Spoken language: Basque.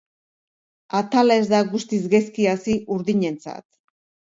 Atala ez da guztiz gaizki hasi urdinentzat.